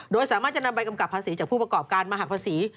โดยสามารถจะนำใบกำกับภาษีจากผู้ประกอบการมาหักภาษี